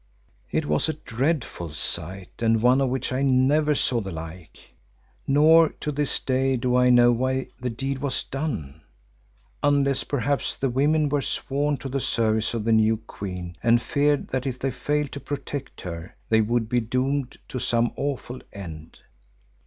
It was a dreadful sight and one of which I never saw the like. Nor to this day do I know why the deed was done, unless perhaps the women were sworn to the service of the new queen and feared that if they failed to protect her, they would be doomed to some awful end.